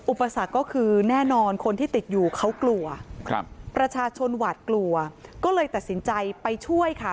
อุปสรรคก็คือแน่นอนคนที่ติดอยู่เขากลัวครับประชาชนหวาดกลัวก็เลยตัดสินใจไปช่วยค่ะ